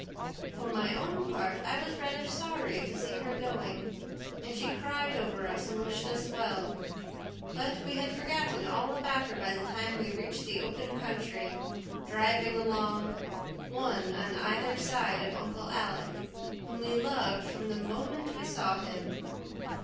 For my own part, I was rather sorry to see her going; and she cried over us and wished us well; but we had forgotten all about her by the time we reached the open country, driving along, one on either side of Uncle Alec, whom we loved from the moment we saw him.